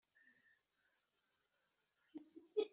’ Mbere yo kuvuka kwa Yohana